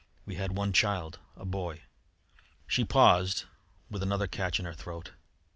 We had one child, a boy " She paused, with another catch in her throat.